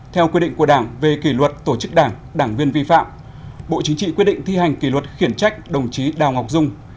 theo quy định của đảng về kỷ luật tổ chức đảng đảng viên vi phạm bộ chính trị quyết định thi hành kỷ luật khiển trách đồng chí đào ngọc dung